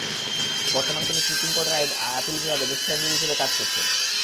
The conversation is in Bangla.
বর্তমানে তিনি সুপ্রিম কোর্টের আপিল বিভাগে জ্যেষ্ঠ আইনজীবী হিসেবে কাজ করছেন।